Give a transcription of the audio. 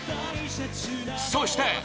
そして